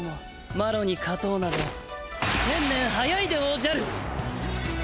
マロに勝とうなど千年早いでおじゃる！